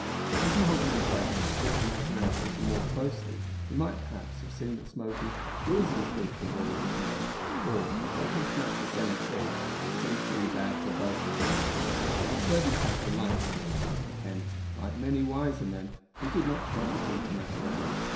If Mahoghany Drake had thought the matter out a little more closely he might perhaps have seen that smoking is as good for boys as for men or, what comes to much the same thing, is equally bad for both of them! But the sturdy trapper liked smoking; hence, like many wiser men, he did not care to think the matter out.